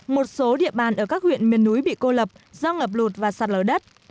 một số địa bàn ở các huyện miền núi bị cô lập do ngập lụt và sạt lở đất